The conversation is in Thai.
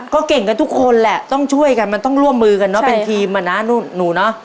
ก็เก่งกันทุกคนแหละต้องช่วยกันมันต้องร่วมมือกันเนอะเป็นทีมอะนะหนูเนอะ